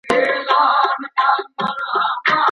تصویري حافظه ډیره پیاوړي وي.